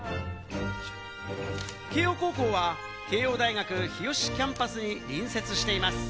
慶應高校は慶應大学日吉キャンパスに隣接しています。